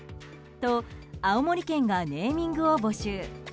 と、青森県がネーミングを募集。